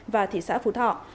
và thị xã phú thọ